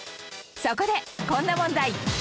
そこでこんな問題